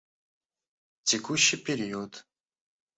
Текущий период